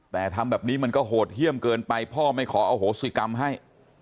แต่ทำแบบนี้มันก็โหดเยี่ยมเกินไปพ่อไม่ขออโหสิกรรมให้